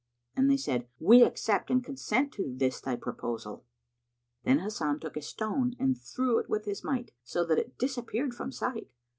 And they said, "We accept and consent to this thy proposal." Then Hasan took a stone and threw it with his might, so that it disappeared from sight.